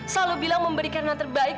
selalu bilang memberikan yang terbaik